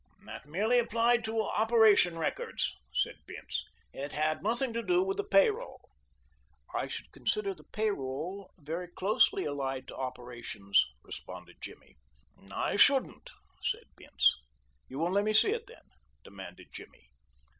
"That merely applied to operation records," said Bince. "It had nothing to do with the pay roll." "I should consider the pay roll very closely allied to operations," responded Jimmy. "I shouldn't," said Bince. "You won't let me see it then?" demanded Jimmy.